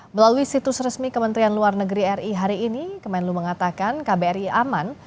melalui situs resmi kementerian luar negeri ri hari ini kemenlu mengatakan kbri aman